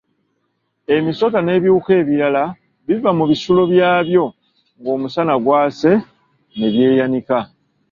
Emisota n'ebiwuka ebirala biva mu bisulo byabyo ng'omusana gwase ne byeyanika.